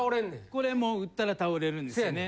これも撃ったら倒れるんですね。